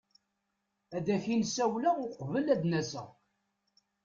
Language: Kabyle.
Ad ak-in-ssiwleɣ uqbel ad n-aseɣ.